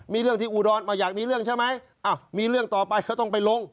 มีเรื่องที่อุดรมาอยากมีเรื่องใช่ไหมอ้าวมีเรื่องต่อไปเขาต้องไปลง